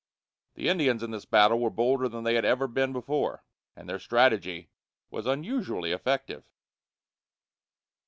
The Indians in this battle were bolder than they had ever been before, and their strategy was unusually effective.